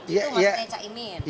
itu maksudnya kak imin